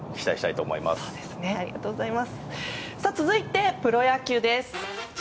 続いてプロ野球です。